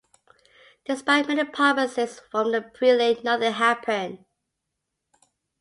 Despite many promises from the prelate, nothing happened.